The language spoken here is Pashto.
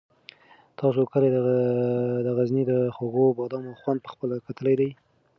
تاسو کله د غزني د خوږو بادامو خوند په خپله کتلی دی؟